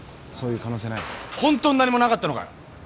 本当に何もなかったのかよ！？